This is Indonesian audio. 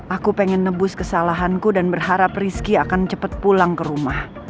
aku pengen nebus kesalahanku dan berharap rizky akan cepat pulang ke rumah